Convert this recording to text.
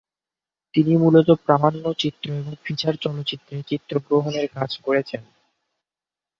তিনি মূলত প্রামাণ্যচিত্র এবং ফিচার চলচ্চিত্রে চিত্রগ্রহণের কাজ করেছেন।